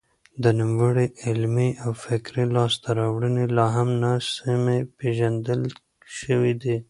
د نوموړي علمي او فکري لاسته راوړنې لا هم ناسمې پېژندل شوې دي.